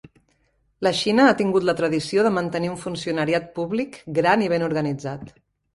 La Xina ha tingut la tradició de mantenir un funcionariat públic gran i ben organitzat.